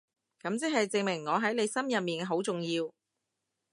噉即係證明我喺你心入面好重要